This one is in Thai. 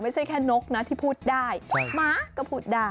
ไม่ใช่แค่นกนะที่พูดได้หมาก็พูดได้